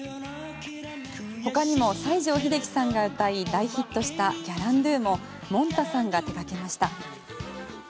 他にも西城秀樹さんが歌い大ヒットした「ギャランドゥ」ももんたさんが手がけました。